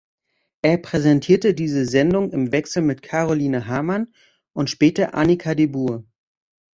Er präsentierte diese Sendung im Wechsel mit Caroline Hamann und später Annika de Buhr.